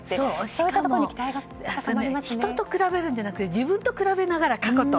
しかも人と比べるんじゃなくて自分と比べながらって。